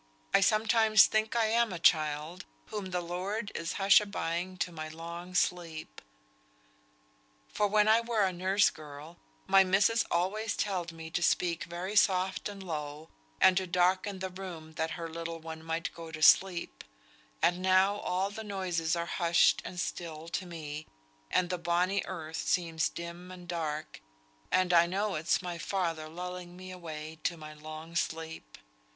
I sometimes think I am a child, whom the Lord is hushabying to my long sleep. For when I were a nurse girl, my missis alway telled me to speak very soft and low, and to darken the room that her little one might go to sleep; and now all noises are hushed and still to me, and the bonny earth seems dim and dark, and I know it's my Father lulling me away to my long sleep.